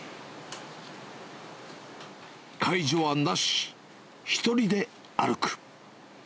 介助はなし、１人で歩く。